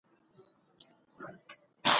بروس کوئن د کوم کتاب لیکوال دی؟